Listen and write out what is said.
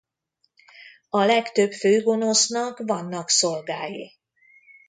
A legtöbb főgonosznak vannak szolgái.